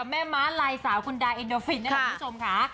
ใช่ค่ะแม่ม้าลายสาวคุณดาร์เอ็นโดฟินนะครับคุณผู้ชมค่ะ